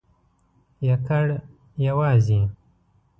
یکړ...یوازی ..